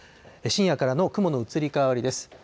深夜からの雲の移り変わりです。